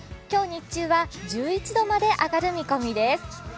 今日、日中は１１度まで上がる見込みです。